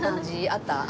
あったね。